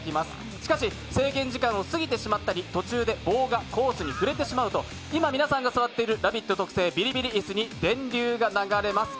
しかし制限時間を過ぎてしまったり、途中で棒がコースに触れてしまうと今、皆さんが座っている電流椅子に電流が流れます。